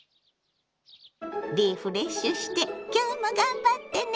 リフレッシュして今日も頑張ってね！